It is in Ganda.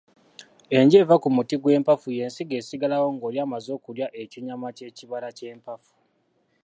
Enje eva ku muti gw'empafu y'ensigo esigalawo ng'oli amaze okulya ekinyama ky'ekibala ky'empafu.